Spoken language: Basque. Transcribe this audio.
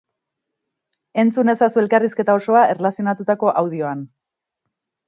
Entzun ezazu elkarrizketa osoa erlazionatutako audioan.